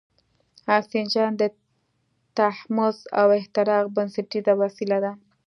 اکسیجن د تحمض او احتراق بنسټیزه وسیله ده.